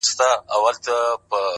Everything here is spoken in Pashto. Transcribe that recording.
عاجزي د اړیکو ښکلا ده!